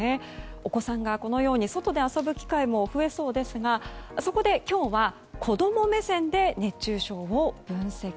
お子さんが外で遊ぶ機会も増えそうですがそこで今日は子供目線で熱中症を分析。